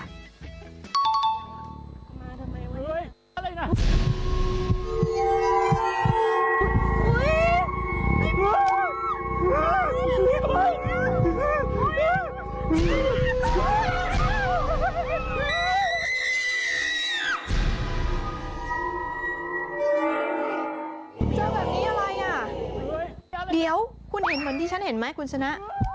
เจอแบบนี้อะไรอ่ะเดี๋ยวคุณเห็นเหมือนที่ฉันเห็นไหมคุณชนะ